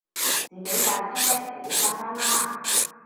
自己架車自己揸返啦